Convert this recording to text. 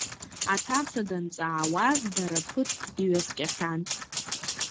Аҭаца данҵаауаз, дара ԥыҭк иҩаскьахьан.